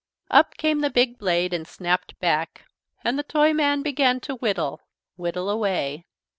Up came the big blade and snapped back. And the Toyman began to whittle, whittle away.